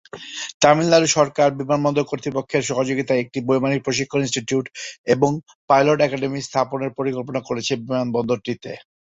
তামিলনাড়ু সরকার বিমানবন্দর কর্তৃপক্ষের সহযোগিতায় একটি বৈমানিক প্রশিক্ষণ ইনস্টিটিউট এবং পাইলট একাডেমী স্থাপনের পরিকল্পনা করছে বিমানবন্দরটিতে।